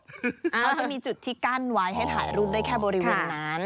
เขาจะมีจุดที่กั้นไว้ให้ถ่ายรูปได้แค่บริเวณนั้น